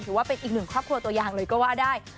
ถือว่าเป็นอีกหนึ่งครอบครัวตัวอย่างเลยก็ว่าได้